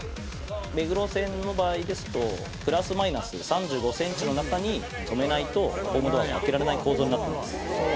目黒線の場合ですと、プラスマイナス３５センチの中に止めないと、ホームドアが開けられない構造になっています。